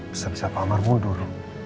bisa bisa pak amar mundur